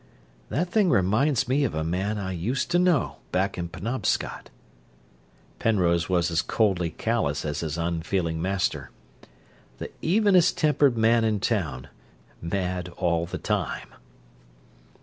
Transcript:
"That thing reminds me of a man I used to know, back in Penobscot." Penrose was as coldly callous as his unfeeling master. "The evenest tempered man in town mad all the time!"